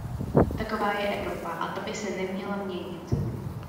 Taková je Evropa a ta by se neměla měnit.